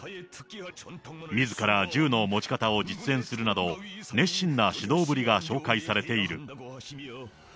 みずから銃の持ち方を実演するなど、熱心な指導ぶりが紹介されている。